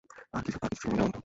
আর কিছু ছিল না দেয়ার মত।